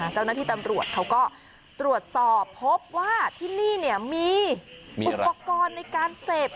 เจ้าหน้าที่ตำรวจเขาก็ตรวจสอบพบว่าที่นี่มีอุปกรณ์ในการเสพ